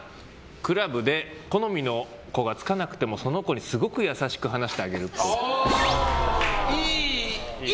クラブで好みの子がつかなくてもその子にすごく優しく話してあげるっぽい。